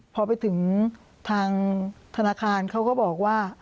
พอไปถึงทางธนาคารเขาก็บอกว่า